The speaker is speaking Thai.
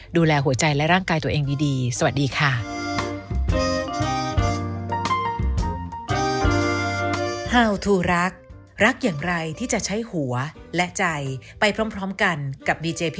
ดูแลหัวใจและร่างกายตัวเองดีสวัสดีค่ะ